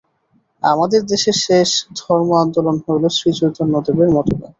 আমাদের দেশের শেষ ধর্ম-আন্দোলন হইল শ্রীচৈতন্যদেবের মতবাদ।